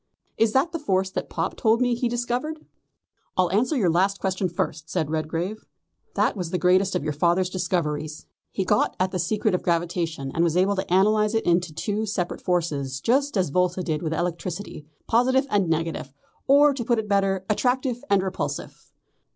Is that the force that Pop told me he discovered?" "I'll answer the last question first," said Redgrave. "That was the greatest of your father's discoveries. He got at the secret of gravitation, and was able to analyse it into two separate forces just as Volta did with electricity positive and negative, or, to put it better, attractive and repulsive.